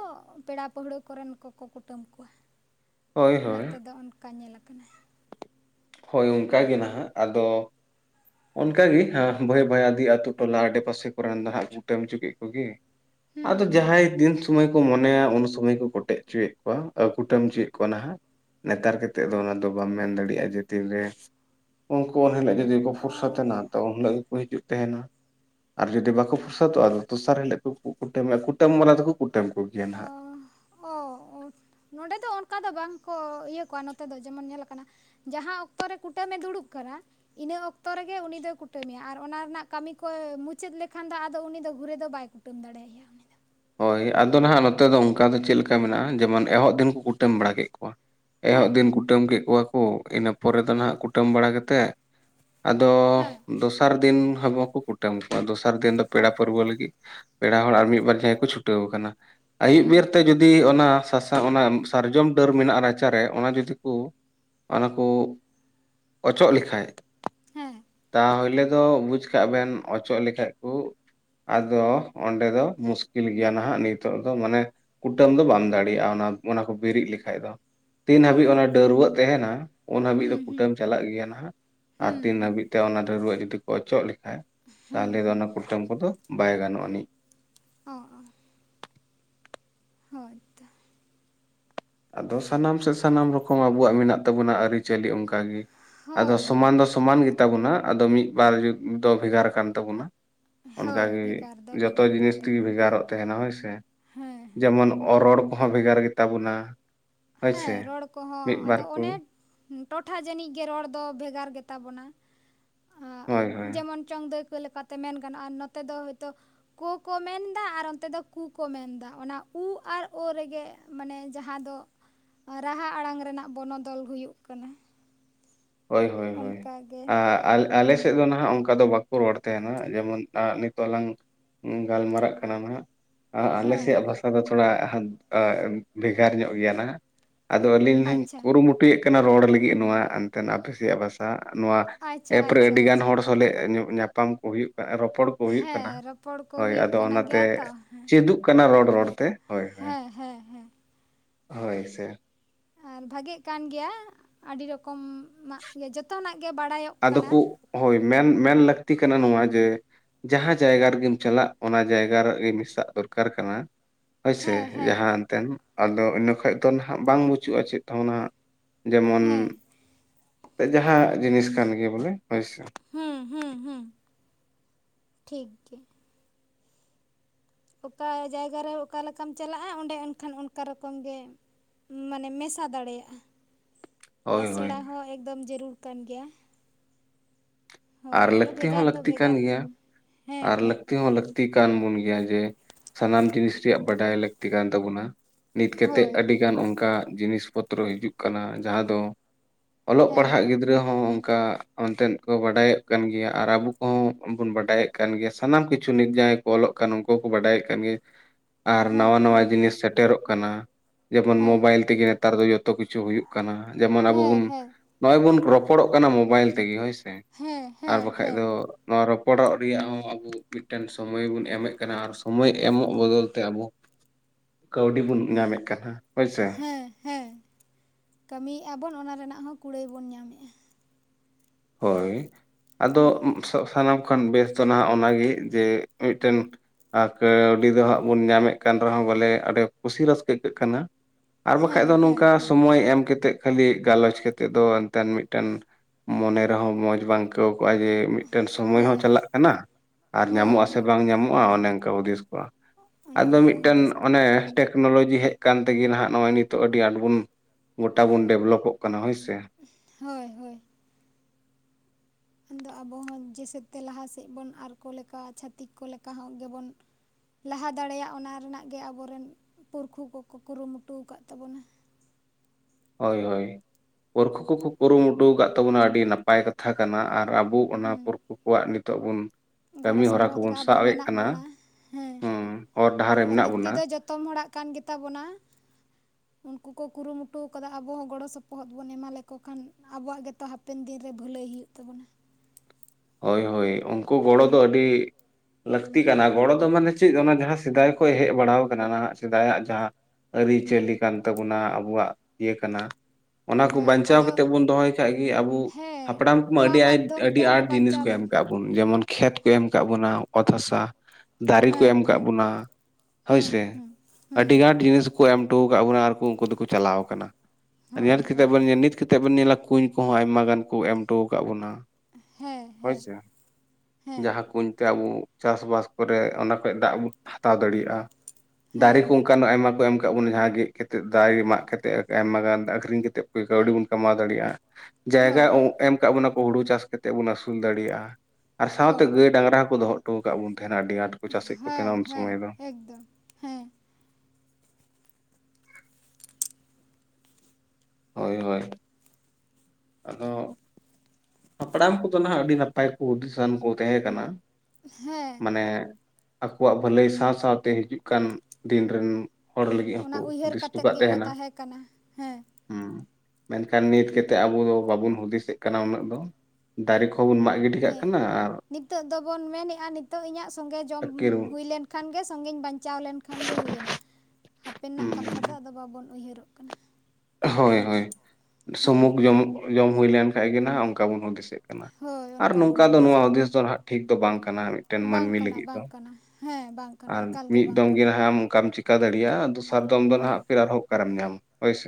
ᱯᱮᱲᱟ ᱯᱟᱹᱲᱦᱟᱹ ᱠᱚᱨᱮᱱ ᱠᱚᱠᱚ ᱠᱩᱴᱟᱹᱢ ᱠᱚᱣᱟ ᱦᱳᱭ ᱦᱳᱭ ᱱᱚᱛᱮ ᱫᱚ ᱚᱱᱠᱟ ᱧᱮᱞ ᱟᱠᱟᱱᱟ ᱦᱳᱭ ᱚᱱᱠᱟᱜᱮ ᱱᱟᱦᱟᱸᱜ ᱟᱫᱚ ᱚᱱᱠᱟ ᱜᱮ ᱵᱷᱟᱹᱭ ᱵᱷᱟᱭᱦᱟᱫ ᱟᱹᱛᱩ ᱴᱚᱞᱟ ᱟᱰᱮ ᱯᱟᱥᱮ ᱠᱚᱨᱮᱱ ᱫᱚ ᱦᱟᱸᱜ ᱵᱩᱴᱟᱹᱢ ᱪᱚ ᱠᱮᱫ ᱠᱚᱜᱮ ᱦᱩᱸ ᱟᱫᱚ ᱦᱩᱸ ᱡᱟᱦᱟᱸᱭ ᱫᱤᱱ ᱥᱚᱢᱚᱭ ᱠᱚ ᱢᱚᱱᱭᱟ ᱩᱱ ᱥᱚᱢᱚᱭ ᱠᱚ ᱠᱚᱴᱮᱡ ᱦᱚᱪᱚᱭᱮᱜ ᱠᱚᱣᱟ ᱟ ᱠᱩᱴᱟᱹᱢ ᱦᱚᱪᱚᱭᱮᱫ ᱠᱚᱣᱟ ᱱᱟᱦᱟᱸᱜ ᱱᱮᱛᱟᱨ ᱠᱟᱛᱮᱫ ᱫᱚ ᱚᱱᱟ ᱫᱚ ᱵᱟᱢ ᱢᱮᱱ ᱫᱟᱲᱮᱭᱟᱜᱼᱟ ᱡᱮ ᱛᱤᱱ ᱨᱮ ᱩᱱᱠᱩ ᱩᱱᱦᱤᱞᱳᱜ ᱡᱩᱫᱤ ᱠᱚ ᱯᱷᱩᱨᱥᱟ ᱛᱟᱦᱮᱱᱟ ᱛᱚ ᱩᱱ ᱦᱤᱞᱳᱜ ᱜᱮᱠᱚ ᱦᱤᱡᱩᱜ ᱛᱮᱦᱮᱱᱟ ᱟᱨ ᱡᱩᱫᱤ ᱵᱟᱠᱚ ᱯᱷᱩᱨᱥᱟᱫᱚᱜᱼᱟ ᱟᱫᱚ ᱫᱚᱥᱟᱨ ᱦᱤᱞᱳᱜ ᱠᱚ ᱠᱩᱴᱟᱹᱢᱮᱜᱼᱟ ᱠᱩᱴᱟᱹᱢ ᱵᱟᱞᱟ ᱫᱚᱠᱚ ᱠᱩᱴᱟᱹᱢ ᱠᱚᱜᱮᱭᱟ ᱦᱟᱸᱜ ᱚ ᱱᱚᱸᱰᱮ ᱫᱚ ᱚᱱᱠᱟ ᱫᱚ ᱵᱟᱝᱠᱚ ᱤᱭᱟᱹ ᱠᱚᱣᱟ ᱱᱚᱛᱮ ᱫᱚ ᱡᱮᱢᱚᱱ ᱧᱮᱞ ᱟᱠᱟᱱᱟ ᱡᱟᱦᱟᱸ ᱚᱠᱛᱚ ᱨᱮ ᱠᱩᱴᱟᱹᱢᱮ ᱫᱩᱲᱩᱵ ᱠᱟᱱᱟ ᱤᱱᱟᱹ ᱚᱠᱛᱚ ᱨᱮᱜᱮ ᱩᱱᱤ ᱫᱚᱭ ᱠᱩᱴᱟᱹᱢᱮᱭᱟ ᱟᱨ ᱚᱱᱟ ᱨᱮᱱᱟᱜ ᱠᱟᱹᱢᱤ ᱠᱚ ᱢᱩᱪᱟᱹᱫ ᱞᱮᱠᱷᱟᱱ ᱫᱚ ᱟᱫᱚ ᱩᱱᱤ ᱜᱷᱩᱨᱮ ᱫᱚ ᱵᱟᱭ ᱠᱩᱴᱟᱹᱢ ᱫᱟᱲᱮᱭᱟᱭᱟ ᱩᱱᱤ ᱫᱚ ᱦᱳᱭ ᱟᱫᱚ ᱱᱟᱦᱟᱜ ᱱᱚᱛᱮ ᱫᱚ ᱚᱝᱠᱟ ᱫᱚ ᱪᱮᱫ ᱞᱮᱠᱟ ᱢᱮᱱᱟᱜᱼᱟ ᱡᱮᱢᱚᱱ ᱮᱦᱚᱵ ᱫᱤᱱ ᱠᱚ ᱠᱩᱴᱟᱹᱢ ᱵᱟᱲᱟ ᱠᱮᱫ ᱠᱚᱣᱟ ᱮᱦᱚᱵ ᱦᱮᱸ ᱫᱤᱱ ᱦᱮᱸ ᱠᱩᱴᱟᱹᱢ ᱠᱮᱫ ᱠᱚᱣᱟ ᱠᱚ ᱤᱱᱟᱹ ᱯᱚᱨᱮ ᱫᱚ ᱱᱟᱜ ᱠᱩᱴᱟᱹᱢ ᱵᱟᱲᱟ ᱠᱟᱛᱮᱫ ᱟᱫᱚ ᱦᱮᱸ ᱦᱮᱸ ᱫᱚᱥᱟᱨ ᱫᱤᱱ ᱦᱚᱸ ᱵᱟᱠᱚ ᱠᱩᱴᱟᱹᱢ ᱠᱚᱜᱣᱟ, ᱫᱚᱥᱟᱨ ᱫᱤᱱ ᱫᱚ ᱯᱮᱲᱟ ᱯᱟᱹᱨᱣᱟᱹ ᱞᱟᱹᱜᱤᱫ ᱯᱮᱲᱟ ᱦᱚᱲ ᱟᱨ ᱢᱤᱫᱵᱟᱨ ᱡᱟᱦᱟᱸᱭ ᱠᱚ ᱪᱷᱩᱴᱟᱹᱣ ᱠᱟᱱᱟ ᱟᱹᱭᱩᱵ ᱦᱩᱸ ᱵᱮᱨᱛᱮ ᱦᱩᱸ ᱡᱩᱫᱤ ᱚᱱᱟ ᱥᱟᱥ ᱦᱮᱸ, ᱚᱱᱟ ᱥᱟᱨᱡᱚᱢ ᱰᱟᱹᱨ ᱢᱮᱱᱟᱜᱼᱟ ᱨᱟᱪᱟᱨᱮ ᱚᱱᱟ ᱡᱩᱫᱤ ᱠᱩ, ᱚᱱᱟ ᱠᱩ ᱚᱪᱚᱜ ᱞᱮᱠᱷᱟᱡ ᱦᱮᱸ ᱛᱟᱦᱞᱮ ᱫᱚ ᱵᱩᱡᱽ ᱠᱟᱜ ᱵᱮᱱ ᱚᱪᱚᱜ ᱞᱮᱠᱷᱟᱡ ᱠᱩ ᱟᱫᱚ ᱚᱸᱰᱮ ᱫᱚ ᱢᱩᱥ ᱩᱠᱤᱞ ᱜᱮᱭᱟ ᱱᱟᱦᱟᱜ ᱱᱤᱛᱚᱜ ᱫᱚ ᱢᱟᱱᱮ ᱠᱩᱴᱟᱹᱢ ᱫᱚ ᱵᱟᱢ ᱫᱟᱲᱮᱭᱟᱜᱼᱟ ᱚᱱᱟ ᱚᱱᱟ ᱠᱚ ᱵᱮᱨᱮᱫ ᱞᱮᱠᱷᱟᱡ ᱫᱚ ᱛᱤᱱ ᱚ ᱦᱟᱹᱵᱤᱡ ᱚ ᱚᱱᱟ ᱰᱟᱹᱨᱣᱟᱹᱜ ᱛᱮᱦᱮᱱᱟ ᱩᱱ ᱦᱟᱹᱵᱤᱡ ᱦᱩᱸ ᱫᱚ ᱦᱩᱸ ᱠᱩᱴᱟᱹᱢ ᱪᱟᱞᱟᱜ ᱜᱮᱭᱟ ᱱᱟᱦᱟᱜ ᱟᱨ ᱦᱩᱸ ᱛᱤᱱ ᱦᱩᱸ ᱦᱟᱹᱵᱤᱡ ᱛᱮ ᱚᱱᱟ ᱰᱟᱨ ᱨᱩᱣᱟᱹᱜ ᱡᱩᱫᱤ ᱠᱚ ᱚᱪᱚᱜ ᱞᱮᱠᱷᱟᱡ ᱛᱟᱦᱞᱮ ᱦᱩᱸ ᱫᱚ ᱚᱱᱟ ᱠᱩᱴᱟᱹᱢ ᱠᱚᱫᱚ ᱵᱟᱭ ᱜᱟᱱᱚᱜ ᱟᱹᱱᱤᱡ ᱚ ᱚ ᱦᱳᱭ ᱛᱚ ᱟᱫᱚ ᱥᱟᱱᱟᱢ ᱥᱮ ᱥᱟᱱᱟᱢ ᱨᱚᱠᱚᱢ ᱟᱵᱚᱣᱟᱜ ᱢᱮᱱᱟᱜ ᱛᱟᱵᱚᱱᱟ ᱟᱹᱨᱤᱪᱟᱹᱞᱤ ᱚᱝᱠᱟ ᱚᱱᱠᱟ ᱜᱤ ᱟᱫᱚ ᱦᱳᱭ ᱦᱳᱭ ᱥᱚᱢᱟᱱ ᱫᱚ ᱦᱳᱭ ᱥᱚᱢᱟᱱ ᱜᱮᱛᱟᱵᱚᱱᱟ ᱟᱫᱚ ᱢᱤᱫᱵᱟᱨ ᱡᱩᱜᱽ ᱫᱚ ᱵᱷᱮᱜᱟᱨ ᱠᱟᱱ ᱛᱟᱵᱚᱱᱟ ᱚᱝᱠᱟ ᱦᱳᱭ ᱜᱮ ᱵᱷᱮᱜᱟᱨ ᱫᱚ ᱡᱚᱛᱚ ᱵᱷᱮᱜᱟᱨ ᱟᱠᱟᱱ ᱡᱤᱱᱤᱥ ᱛᱮᱜᱮ ᱛᱟᱵᱚᱱᱟ ᱵᱷᱮᱜᱟᱨᱚᱜ ᱛᱮᱦᱮᱱᱟ ᱦᱳᱭ ᱥᱮ ᱦᱮᱸ ᱦᱮᱸ ᱡᱮᱢᱚᱱ ᱚ ᱨᱚᱲ ᱠᱚᱦᱚᱸ ᱵᱷᱮᱜᱟᱨ ᱜᱮᱛᱟ ᱵᱚᱱᱟ ᱦᱳᱭ ᱥᱮ ᱦᱮᱸ, ᱨᱚᱲ ᱠᱚᱦᱚᱸ ᱢᱤᱫ ᱵᱟᱨ ᱟᱫᱚ ᱠᱚ ᱚᱱᱮᱠ, ᱴᱚᱴᱷᱟ ᱡᱟᱹᱱᱤᱡ ᱜᱮ ᱨᱚᱲ ᱫᱚ ᱵᱷᱮᱜᱟᱨ ᱜᱮᱛᱟ ᱵᱚᱱᱟ ᱟᱜ, ᱦᱳᱭ ᱦᱳᱭ ᱡᱮᱢᱚᱱ? ᱪᱚᱝ ᱫᱟᱹᱭᱠᱟᱹ ᱞᱮᱠᱟᱛᱮ ᱢᱮᱱ ᱜᱟᱱᱼᱟ ᱱᱚᱛᱮ ᱫᱚ ᱦᱳᱭᱛᱳ, ᱠᱳ ᱠᱚ ᱢᱮᱱᱫᱟ ᱟᱨ ᱚᱱᱛᱮ ᱫᱚ ᱠᱩ ᱠᱚ ᱢᱮᱱᱫᱟ ᱚᱱᱟ ᱩ ᱟᱨ ᱳ ᱨᱮᱜᱮ ᱢᱟᱱᱮ ᱡᱟᱸᱦᱟ ᱫᱚ, ᱨᱟᱦᱟ ᱟᱲᱟᱝ ᱨᱮᱱᱟᱜ ᱵᱚᱱᱚ ᱫᱚᱞ ᱦᱩᱭᱩᱜ ᱠᱟᱱᱟ᱾ ᱦᱳᱭ ᱦᱳᱭ ᱦᱳᱭ᱾ ᱚᱱᱠᱟᱜᱮ ᱟ ᱟᱞ, ᱟᱞᱮ ᱥᱮᱫ ᱫᱚ ᱱᱟᱦᱟᱜ ᱚᱱᱠᱟ ᱫᱚ ᱵᱟᱠᱚ ᱨᱚᱲ ᱛᱟᱦᱮᱱᱟ ᱡᱮᱢᱚᱱ ᱟ ᱱᱤᱛᱚᱜ ᱞᱟᱝ, ᱜᱟᱞᱢᱟᱨᱟᱜ ᱠᱟᱱᱟ ᱱᱷᱟᱜ ᱾ ᱟ ᱟᱞᱮ ᱦᱮᱸ ᱥᱮᱭᱟᱜ ᱦᱮᱸ ᱵᱷᱟᱥᱟ ᱫᱚ, ᱱᱟᱦ ᱦᱟ ᱛᱷᱚᱲᱟ ᱟᱦ ᱵᱷᱮᱜᱟᱨ ᱧᱚᱜ ᱜᱮᱭᱟ ᱱᱷᱟᱜ ᱾ ᱟᱫᱚ, ᱟᱹᱞᱤᱧ ᱞᱤᱧ ᱟᱪᱪᱷᱟ ᱠᱩᱨᱩᱢᱩᱴᱩᱭ ᱠᱟᱱᱟ ᱾ ᱨᱚᱲ ᱞᱟᱹᱜᱤᱫ, ᱱᱚᱣᱟ ᱮᱱᱛᱮ ᱟᱯᱮᱥᱭᱟᱜ ᱵᱷᱟᱥ ᱱᱚᱣᱟ, ᱟᱪᱪᱷᱟ ᱮᱯ ᱨᱮ, ᱟᱪᱪᱷᱟ ᱟᱹᱰᱤ ᱜᱟᱱ ᱟᱪᱪᱷᱟ ᱦᱚᱲ ᱥᱚᱞᱮᱜ ᱧᱟᱯᱟᱢ ᱠᱚ ᱦᱩᱭᱩᱜ ᱠᱟᱱᱟ ᱾ ᱨᱚᱯ ᱨᱚᱯᱚᱲ ᱠᱚ ᱦᱩᱭᱩᱜ ᱠᱟᱱᱟ ᱦᱮᱸ ᱨᱚᱯᱚᱲ ᱾ ᱠᱚ ᱦᱳᱭ, ᱦᱩᱭᱩᱜ ᱟᱫᱚ ᱠᱟᱱ ᱚᱱᱟᱛᱮ ᱜᱮᱭᱟ ᱛᱚ ᱦᱮᱸ ᱪᱮᱫᱩᱜ ᱠᱟᱱᱟ, ᱨᱚᱲ ᱨᱚᱲᱛᱮ, ᱦᱳᱭ ᱦᱳᱭ, ᱦᱮᱸ ᱦᱮᱸ ᱦᱮᱸ ᱦᱳᱭ ᱥᱮ ᱾ ᱟᱨ ᱵᱷᱟᱜᱮᱜ ᱠᱟᱱ ᱜᱮᱭᱟ ᱾ ᱟᱹᱰᱤ ᱨᱚᱠᱚᱢ ᱢᱟᱜ ᱜᱮ ᱡᱚᱛᱚᱱᱟᱜ ᱜᱮ ᱵᱟᱲᱟᱭᱚᱜ ᱟᱫᱚ ᱠᱟᱱᱟ ᱠᱚ, ᱦᱳᱭ! ᱢᱮᱱ, ᱢᱮᱱ ᱞᱟᱹᱠᱛᱤ ᱠᱟᱱᱟ, ᱱᱚᱣᱟ ᱡᱮ ᱡᱟᱦᱟᱸ ᱡᱟᱭᱜᱟ ᱨᱮᱜᱮᱢ ᱪᱟᱞᱟᱜ ᱚᱱᱟ ᱡᱟᱭᱜᱟ ᱨᱮᱜᱮ ᱢᱮᱥᱟᱜ ᱫᱚᱨᱠᱟᱨ ᱠᱟᱱᱟ᱾ ᱦᱳᱭᱥᱮ, ᱦᱮᱸ ᱦᱮᱸ ᱡᱟᱦᱟᱸ ᱮᱱᱛᱮ, ᱟᱫᱚ ᱤᱱᱟᱹ ᱠᱷᱚᱡ ᱫᱚ ᱱᱟᱜ, ᱵᱟᱝ ᱵᱟᱹᱪᱩᱜᱼᱟ ᱾ ᱪᱮᱫ ᱦᱚᱸᱱᱟᱜ ᱾ ᱡᱮᱢᱚᱱ, ᱦᱮᱸ ᱡᱟᱦᱟᱸ ᱡᱤᱱᱤᱥ ᱠᱟᱱ ᱜᱮ, ‌ ᱵᱚᱞᱮ, ᱦᱳᱭᱥᱮ ᱾ ᱦᱮᱸ, ᱦᱮᱸ ᱦᱮᱸ, ᱴᱷᱤᱠ, ᱴᱷᱤᱠ ᱾ ᱚᱠᱟ ᱡᱟᱭᱜᱟ ᱨᱮ, ᱚᱠᱟ ᱞᱮᱠᱟᱢ ᱪᱟᱞᱟᱜᱼᱟ ᱾ ᱚᱸᱰᱮ ᱮᱱᱠᱷᱟᱱ, ᱚᱱᱠᱟ ᱨᱚᱠᱚᱢ ᱜᱮ, ᱢᱟᱱᱮ, ᱢᱮᱥᱟ ᱫᱟᱲᱮᱭᱟᱜᱼᱟ ᱾ ᱦᱳᱭ ᱟᱨ ᱦᱳᱭ ᱥᱮᱬᱟ ᱦᱚᱸ, ᱮᱠᱫᱚᱢ ᱡᱟᱹᱨᱩᱲ ᱠᱟᱱ ᱜᱮᱭᱟ ᱾ ᱟᱨ ᱞᱟᱹᱠᱛᱤ ᱦᱚᱸ ᱞᱟᱹᱠᱛᱤ ᱠᱟᱱ ᱜᱮᱭᱟ᱾ ᱦᱮᱸ ᱟᱨ ᱦᱮᱸ ᱞᱟᱹᱠᱛᱤ ᱦᱚᱸᱞᱟᱹᱠ ᱛᱤ ᱠᱟᱱ ᱵᱚᱱ ᱜᱮᱭᱟ ᱡᱮ, ᱥᱟᱱᱟᱢ ᱡᱤᱱᱤᱥ ᱨᱮᱭᱟᱜ, ᱵᱟᱰᱟᱭ ᱞᱟᱹᱠᱛᱤ ᱠᱟᱱ ᱛᱟᱵᱚᱱᱟ ᱾ ᱱᱤᱛ ᱦᱳᱭ ᱠᱟᱛᱮᱫ, ᱦᱳᱭ ᱟᱹᱰᱤᱜᱟᱱ ᱚᱱᱠᱟ ᱡᱤᱱᱤᱥ ᱯᱚᱛᱨᱚ ᱦᱤᱡᱩᱜ ᱠᱟᱱᱟ ᱾ ᱡᱟᱦᱟᱸ ᱫᱚ, ᱚᱞᱚᱜ ᱦᱮᱸ ᱯᱟᱲᱦᱟᱜ ᱜᱤᱫᱽᱨᱟᱹ ᱦᱚᱸ, ᱚᱱᱠᱟ ᱚᱱᱛᱮᱱ ᱠᱚ ᱵᱟᱰᱟᱭᱚᱜ ᱠᱟᱱ ᱜᱮᱭᱟ, ᱟᱨ ᱟᱵᱚ ᱠᱚᱦᱚᱸ ᱵᱚᱱ ᱵᱟᱰᱟᱭᱮᱫ ᱠᱟᱱ ᱜᱮᱭᱟ, ᱥᱟᱱᱟᱢ ᱠᱤᱪᱷᱩ ᱱᱤᱛ ᱡᱟᱦᱟᱸᱭ ᱠᱚ, ᱚᱞᱚᱜ ᱠᱟᱱ ᱩᱱ ᱠᱚ ᱠᱚ ᱵᱟᱰᱟᱭᱮᱫ ᱠᱟᱱ ᱜᱮ, ᱟᱨ ᱦᱮᱸ ᱱᱟᱣᱟ ᱱᱟᱣᱟ ᱦᱮᱸ ᱡᱤᱱᱤᱥ ᱥᱮᱴᱮᱨᱚᱜ ᱠᱟᱱᱟ ᱾ ᱡᱮᱢᱚᱱ ᱦᱮᱸ ᱢᱳᱵᱟᱭᱤᱞ ᱛᱮᱜᱮ, ᱱᱮᱛᱟᱨ ᱫᱚ, ᱡᱚᱛᱚ ᱠᱤᱪᱷᱩ ᱦᱩᱭᱩᱜ ᱠᱟᱱᱟ ᱾ ᱡᱮᱢᱚᱱ ᱟᱵᱚ ᱦᱮᱸ ᱵᱚᱱ ᱦᱮᱸ ᱱᱚᱜᱼᱚᱭ ᱵᱚᱱ ᱨᱚᱯᱚᱲᱚᱜ ᱠᱟᱱᱟ᱾ ᱢᱳᱵᱟᱭᱤᱞ ᱛᱮᱜᱮ ᱾ ᱦᱳᱭ ᱥᱮ! ᱦᱮᱸᱻ᱾ ᱟᱨ ᱵᱟᱠᱷᱟᱡ ᱫᱚ? ᱱᱚᱣᱟ ᱨᱚᱯᱚᱲᱚᱜ ᱨᱮᱭᱟᱜ ᱦᱚᱸ, ᱟᱵᱚ ᱢᱤᱫᱴᱮᱱ ᱥᱚᱢᱚᱭ ᱵᱚᱱ, ᱮᱢᱮᱫ ᱠᱟᱱᱟ ᱾ ᱟᱨ ᱥᱚᱢᱚᱭ ᱮᱢᱚᱜ ᱵᱚᱫᱚᱞ ᱛᱮ, ᱟᱵᱚ ᱠᱟᱹᱣᱰᱤ ᱵᱚᱱ, ᱧᱟᱢᱮᱫ ᱠᱟᱱᱟ ᱾ ᱦᱳᱭᱥᱮ! ᱠᱟᱹᱢᱤ ᱭᱮᱟ ᱟᱵᱚᱱ, ᱚᱱᱟ ᱨᱮᱱᱟᱜ ᱦᱚᱸ, ᱠᱩᱲᱟᱹᱭ ᱵᱚᱱ ᱧᱟᱢᱮᱟ ᱾ ᱦᱳᱭ, ᱟᱫᱚ ᱦᱳᱭ ᱥᱟᱱᱟᱢ ᱠᱷᱚᱱ ᱵᱮᱥ ᱫᱚ, ᱱᱷᱟᱜ, ᱚᱱᱟᱜᱮ, ᱡᱮ ᱢᱤᱫᱴᱮᱱ ᱟᱨ ᱠᱟᱹᱣᱰᱤ ᱫᱚ, ᱦᱟᱸᱜ ᱵᱚᱱ ᱧᱟᱢᱮᱫ ᱠᱟᱱ ᱨᱮᱦᱚᱸ, ᱵᱚᱞᱮ ᱾ ᱟᱹᱰᱤ ᱠᱩᱥᱤ ᱨᱟᱹᱥᱠᱟᱹᱜ ᱠᱟᱹᱜ ᱠᱟᱱᱟ ᱾ ᱟᱨ ᱵᱟᱠᱷᱟᱡ ᱦᱮᱸ ᱫᱚ, ᱦᱮᱸ ᱱᱚᱝᱠᱟ ᱦᱮᱸ ᱥᱚᱢᱚᱭ ᱮᱢ ᱠᱟᱛᱮᱫ, ᱠᱷᱟᱹᱞᱤ ᱜᱟᱞᱚᱪ ᱠᱟᱛᱮᱫ ᱫᱚ, ᱮᱱᱛᱮᱱ ᱢᱤᱫᱴᱮᱱ ᱢᱚᱱᱮ ᱨᱮᱦᱚᱸ, ᱢᱚᱸᱡᱽ ᱵᱟᱝ? ᱟᱹᱭᱠᱟᱹᱣ ᱠᱚᱜᱼᱟ ᱾ ᱡᱮ, ᱢᱤᱫᱴᱮᱱ ᱥᱚᱢᱳᱚᱭ ᱦᱚᱸ ᱦᱳᱭ ᱪᱟᱞᱟᱜ ᱠᱟᱱᱟ ᱾ ᱟᱨ ᱧᱟᱢᱚᱜ ᱦᱳᱭ ᱟ ᱥᱮ ᱦᱳᱭ ᱵᱟᱝ ᱧᱟᱢᱚᱜᱼᱟ? ᱚᱱᱮ ᱚᱱᱠᱟ ᱦᱩᱫᱤᱥ ᱾ ᱚᱱᱮ ᱟᱫᱚ ᱚᱱᱠᱟ ᱢᱤᱫᱴᱮᱱ, ᱦᱩᱫᱤᱥ ᱠᱚᱜᱼᱟ ᱚᱱᱮ ᱴᱮᱠᱱᱳᱞᱚᱡᱤ ᱦᱮᱡ ᱠᱟᱱ ᱛᱮᱜᱮ, ᱱᱷᱟᱜ ᱱᱚᱜᱼᱚᱭ ᱱᱤᱛᱚᱜ, ᱟᱹᱰᱤ ᱟᱸᱴ ᱵᱚᱱ, ᱜᱚᱴᱟ ᱵᱚᱱ, ᱰᱮᱵᱷᱞᱚᱯᱚᱜ ᱠᱟᱱᱟ ᱾ ᱦᱳᱭᱥᱮ ᱾ ᱦᱳᱭ ᱦᱳᱭ ᱾ ᱤᱧ, ᱫᱚ ᱟᱵᱚ ᱦᱚᱸ ᱡᱮᱥᱮᱫ ᱛᱮ ᱞᱟᱦᱟ ᱥᱮᱫ, ᱵᱚᱱ ᱟᱨ ᱠᱚ ᱞᱮᱠᱟ, ᱪᱷᱟᱹᱛᱤᱠ ᱠᱚ ᱞᱮᱠᱟ ᱦᱚᱸ, ᱜᱮ ᱵᱚᱱ ᱞᱟᱦᱟ ᱫᱟᱲᱮᱭᱟᱜ ᱚᱱᱟ ᱨᱮᱱᱟᱜ ᱜᱮ ᱟᱵᱚᱨᱮᱱ ᱯᱩᱨᱠᱷᱩ ᱠᱚᱠᱚ ᱠᱩᱨᱩᱢᱩᱴᱩ ᱠᱟᱫ ᱛᱟᱵᱚᱱᱟ᱾ ᱦᱳᱭ ᱦᱳᱭ, ᱯᱟᱹᱨᱠᱷᱩ ᱠᱚᱠᱚ ᱠᱩᱨᱩᱢᱩᱴᱩ, ᱟᱠᱟᱫ ᱛᱟᱵᱚᱱᱟ ᱾ ᱟᱹᱰᱤ ᱱᱟᱯᱟᱭ ᱠᱟᱛ ᱾ ᱛᱷᱟ ᱠᱟᱱᱟ ᱾ ᱟᱨ ᱟᱵᱚ ᱚᱱᱟ ᱦᱮᱸ ᱯᱚᱨᱠᱷᱩ ᱠᱚᱣᱟᱜ, ᱱᱤᱛᱚᱜ ᱵᱚᱱ ᱜᱚᱲᱚ ᱠᱟᱹᱢᱤ ᱦᱚᱨᱟ ᱥᱚᱯᱚᱦᱚᱫ ᱠᱚᱵᱚᱱ ᱨᱮ, ᱟᱵᱚ ᱥᱟᱵᱮᱫ ᱢᱮᱱᱟᱜ ᱵᱚᱱᱟ ᱠᱟᱱᱟ ᱾ ᱦᱮᱸ, ᱦᱚᱨ ᱰᱟᱦᱟᱨ ᱨᱮ ᱢᱮᱱᱟᱜ ᱞᱟᱹᱠᱛᱤ ᱵᱚᱱᱟ ᱫᱚ ᱡᱚᱛ ᱛᱚᱢ ᱦᱚᱲᱟᱜ ᱠᱟᱱ ᱜᱮ, ᱛᱟᱵᱚᱱᱟ ᱾ ᱩᱱᱠᱩ ᱠᱚ ᱠᱩᱨᱩᱢᱩᱴᱩ ᱟᱠᱟᱫᱟ ᱟᱵᱚ ᱦᱚᱸ ᱜᱚᱲᱚ ᱥᱚᱯᱚᱦᱚᱫ ᱵᱚᱱ ᱮᱢᱟ ᱞᱮᱠᱚ ᱠᱷᱟᱱ ᱟᱵᱚᱣᱟᱜ ᱜᱮ ᱛᱚ ᱦᱟᱯᱮᱱ ᱫᱤᱱ ᱨᱮ ᱵᱷᱟᱹᱞᱟᱹᱭ ᱦᱩᱭᱩᱜ ᱛᱟᱵᱚᱱᱟ ᱦᱳᱭ ᱦᱳᱭ ᱩᱝᱠᱩ ᱜᱚᱲᱚ ᱫᱚ ᱟᱹᱰᱤ ᱞᱟᱹᱠᱛᱤ ᱠᱟᱱᱟ ᱜᱚᱲᱚ ᱫᱚ ᱢᱟᱱᱮ ᱪᱮᱫ ᱚᱱᱟ ᱡᱟᱦᱟᱸ ᱥᱮᱫᱟᱭ ᱠᱷᱚᱱ ᱦᱮᱡ ᱵᱟᱲᱟᱣ ᱠᱟᱱᱟ ᱱᱟᱦᱟᱜ ᱥᱮᱫᱟᱭᱟᱜ ᱡᱟᱦᱟᱸ ᱟᱹᱨᱤᱪᱟᱹᱞᱤ ᱠᱟᱱ ᱛᱟᱵᱚᱱᱟ ᱟᱵᱚᱣᱟᱜ ᱤᱭᱟᱹ ᱠᱟᱱᱟ ᱚᱱᱟ ᱠᱚ ᱦᱮᱸ ᱵᱟᱧᱪᱟᱣ ᱟᱫᱚ ᱠᱟᱛᱮᱫ ᱵᱚᱱ ᱫᱚᱦᱚᱭ ᱠᱷᱟᱡ ᱜᱮ ᱟᱵᱚ ᱦᱮᱸ ᱦᱟᱯᱲᱟᱢ ᱠᱚᱢᱟ ᱱᱚᱣᱟ ᱟᱹᱰᱤᱡ ᱢᱟᱫᱽᱫᱷᱚᱢ ᱟᱹᱰᱤ ᱟᱸᱴ ᱛᱮᱦᱚᱸ ᱡᱤᱱᱤᱥ ᱠᱚ ᱵᱟᱧᱪᱟᱣ ᱮᱢ ᱟᱠᱟ ᱵᱚᱱ ᱡᱮᱢᱚᱱ ᱠᱷᱮᱛ ᱠᱚ ᱮᱢ ᱟᱠᱟᱫ ᱵᱚᱱᱟ ᱚᱛ ᱦᱟᱥᱟ ᱫᱟᱨᱮ ᱠᱚ ᱦᱮᱸ ᱮᱢ ᱟᱠᱟᱫ ᱦᱮᱸ ᱵᱚᱱᱟ ᱦᱳᱭ ᱦᱩᱸ ᱥᱮ ᱦᱩᱸ ᱦᱩᱸ ᱟᱹᱰᱤ ᱜᱟᱱ ᱡᱤᱱᱤᱥ ᱠᱚ ᱮᱢ ᱚᱴᱚ ᱟᱠᱟᱫ ᱵᱚᱱᱟ ᱟᱨ ᱩᱱᱠᱩ ᱫᱚᱠᱚ ᱪᱟᱞᱟᱣ ᱟᱠᱟᱱᱟ ᱦᱳᱭ ᱧᱮᱞ ᱦᱳᱭ ᱠᱟᱛᱮᱫ ᱵᱚᱱ ᱧᱮᱞ ᱱᱤᱛ ᱠᱟᱛᱮᱫ ᱵᱚᱱ ᱧᱮᱞᱟ ᱠᱩᱧ ᱠᱚᱦᱚᱸ ᱟᱭᱢᱟ ᱜᱟᱱ ᱠᱚ ᱮᱢ ᱦᱚᱴᱚ ᱟᱠᱟᱫ ᱵᱚᱱᱟ ᱦᱮᱸ ᱦᱮᱸ ᱦᱳᱭᱥᱮ ᱦᱮᱸ ᱡᱟᱦᱟᱸ ᱠᱩᱧ ᱛᱮ ᱟᱵᱚ ᱪᱟᱥ ᱵᱟᱥ ᱠᱚᱨᱮ ᱚᱱᱟ ᱠᱷᱚᱡ ᱫᱟᱜ ᱵᱚᱱ ᱦᱟᱛᱟᱣ ᱫᱟᱲᱮᱭᱟᱜᱼᱟ ᱫᱟᱨᱮ ᱦᱮᱸ ᱠᱚ ᱚᱱᱠᱟᱱᱟᱜ ᱟᱭᱢᱟ ᱠᱚ ᱮᱢ ᱟᱠᱟᱫ ᱵᱚᱱᱟ ᱡᱟᱦᱟ ᱜᱮᱫ ᱠᱟᱛᱮᱫ ᱫᱟᱨᱮ ᱢᱟᱜ ᱠᱟᱛᱮᱫ ᱟᱭᱢᱟ ᱜᱟᱱ ᱟᱠᱷᱨᱤᱧ ᱠᱟᱛᱮᱫ ᱠᱟᱹᱣᱰᱤ ᱵᱚᱱ ᱠᱟᱢᱟᱣ ᱫᱟᱲᱮᱭᱟᱜᱼᱟ ᱡᱟᱭᱜᱟ ᱦᱳᱭ ᱮᱢ ᱟᱠᱟᱫ ᱵᱚᱱᱟ ᱠᱚ ᱦᱩᱲᱩ ᱪᱟᱥ ᱠᱟᱛᱮᱫ ᱵᱚᱱ ᱟᱹᱥᱩᱞ ᱫᱟᱲᱮᱭᱟᱜᱼᱟ ᱟᱨ ᱥᱟᱶᱛᱮ ᱦᱳᱭ ᱜᱟᱹᱭ ᱰᱟᱝᱜᱨᱟ ᱦᱚᱸᱠᱚ ᱫᱚᱦᱚ ᱦᱚᱴᱚ ᱟᱠᱟᱫ ᱵᱚᱱ ᱛᱟᱦᱮᱱᱟ ᱟᱹᱰᱤ ᱟᱸᱴ ᱠᱚ ᱪᱟᱥᱮᱫ ᱠᱚ ᱦᱮᱸ ᱛᱟᱦᱮᱱᱟ ᱩᱱ ᱦᱮᱸ ᱥᱚᱢᱚᱭ ᱫᱚ ᱮᱠᱫᱚᱢ ᱦᱮᱸ ᱦᱚᱭ ᱦᱚᱭ ᱟᱫᱚ ᱦᱟᱯᱲᱟᱢ ᱠᱚᱫᱚ ᱱᱟᱦᱟᱜ ᱟᱹᱰᱤ ᱱᱟᱯᱟᱭ ᱠᱚ ᱦᱩᱫᱤᱥᱟᱱ ᱠᱚ ᱛᱟᱦᱮᱸ ᱠᱟᱱᱟ ᱦᱮᱸ ᱢᱟᱱᱮ ᱟᱠᱚᱣᱟᱜ ᱵᱷᱟᱹᱞᱟᱹᱭ ᱥᱟᱶ ᱥᱟᱶᱛᱮ ᱦᱤᱡᱩᱜ ᱠᱟᱱ ᱫᱤᱱ ᱨᱮᱱ ᱦᱚᱲ ᱞᱟᱹᱜᱤᱫ ᱚᱱᱟ ᱦᱚᱠᱚ ᱩᱭᱦᱟᱹᱨ ᱦᱩᱫᱤᱥ ᱦᱚᱴᱚ ᱠᱟᱛᱮᱫ ᱠᱟᱜ ᱜᱮᱠᱚ ᱛᱟᱦᱮᱱᱟ ᱛᱟᱦᱮᱸ ᱠᱟᱱᱟ ᱦᱮᱸ ᱦᱩᱸ ᱢᱮᱱᱠᱷᱟᱱ ᱱᱤᱛᱠᱟᱛᱮᱫ ᱟᱵᱚ ᱫᱚ ᱵᱟᱵᱚᱱ ᱦᱩᱫᱤᱥᱮᱫ ᱠᱟᱱᱟ ᱩᱱᱟᱹᱜ ᱫᱚ ᱫᱟᱨᱮ ᱠᱚᱦᱚᱸ ᱵᱚᱱ ᱢᱟᱜ ᱜᱤᱰᱤ ᱠᱟᱜ ᱦᱮᱸ ᱠᱟᱱᱟ ᱟᱨ ᱱᱤᱛᱚᱜ ᱫᱚᱵᱚᱱ ᱢᱮᱱᱮᱜᱼᱟ ᱱᱤᱛᱚᱜ ᱤᱧᱟᱹᱜ ᱥᱚᱸᱜᱮ ᱡᱚᱢ ᱟᱹᱠᱤᱨ ᱦᱩᱭ ᱞᱮᱱ ᱠᱷᱟᱱ ᱜᱮ ᱥᱚᱝᱜᱤᱧ ᱵᱟᱧᱪᱟᱣ ᱞᱮᱱᱠᱷᱟᱱ ᱜᱮ ᱦᱩᱭᱮᱱᱟ ᱦᱟᱯᱮᱱᱟᱜ ᱠᱟᱛᱷᱟ ᱫᱚ ᱟᱫᱚ ᱵᱟᱵᱚᱱ ᱩᱭᱦᱟᱹᱨᱚᱜ ᱠᱟᱱᱟ ᱦᱳᱭ ᱦᱳᱭ ᱦᱮᱸ ᱥᱟᱢᱩᱠ ᱡᱚᱢ ᱡᱚᱢ ᱦᱩᱭᱞᱮᱱ ᱠᱷᱟᱱ ᱜᱮ ᱱᱟᱦᱟᱜ ᱚᱱᱠᱟ ᱵᱚᱱ ᱦᱩᱫᱤᱥ ᱦᱳᱭ [inaudible] ᱟᱨ ᱚᱱᱠᱟ ᱵᱚᱱ ᱱᱚᱝᱠᱟ ᱫᱚ ᱱᱚᱣᱟ ᱦᱩᱫᱤᱥᱚᱜ ᱦᱩᱫᱤᱥ ᱠᱟᱱᱟ ᱫᱚ ᱱᱟᱜ ᱴᱷᱤᱠ ᱫᱚ ᱵᱟᱝ ᱠᱟᱱᱟ ᱢᱤᱫᱴᱟᱱ ᱵᱟᱝ ᱢᱟᱹᱱᱢᱤ ᱠᱟᱱᱟ ᱞᱟᱹᱜᱤᱫ ᱫᱚ ᱵᱟᱝ ᱠᱟᱱᱟ ᱦᱮᱸ ᱵᱟᱝ ᱠᱟᱱᱟ ᱟᱨ ᱮᱠᱟᱞ ᱢᱤᱫ ᱵᱟᱝ ᱫᱚᱢ ᱜᱮ ᱠᱟᱱᱟ ᱱᱟᱦᱟᱜ ᱮᱢ ᱚᱱᱠᱟᱢ ᱪᱮᱠᱟ ᱫᱟᱲᱮᱭᱟᱜᱼᱟ ᱫᱚᱥᱟᱨ ᱫᱚᱢ ᱫᱚ ᱦᱮᱸ ᱱᱟᱦᱟᱜ ᱟᱨᱦᱚ ᱚᱠᱟᱨᱮᱢ ᱧᱟᱢᱟ ᱦᱚᱭᱥᱮ